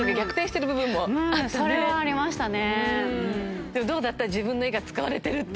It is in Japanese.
それはありましたね。